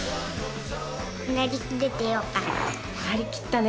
なりきったね